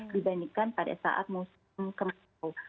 dibandingkan pada saat musim kemarau